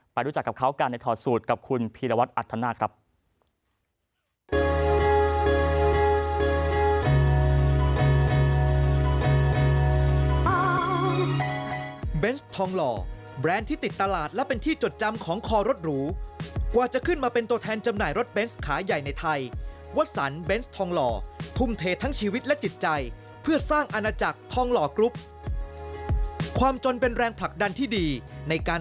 เป็นคนเองรักนะครับไปรู้จักกับเขากันในทอดสูตรกับคุณพีรวัตอัทธนาคครับ